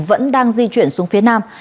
vẫn đang di chuyển xuống phía nam